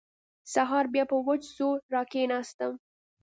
سهار بيا په وچ زور راکښېناستم.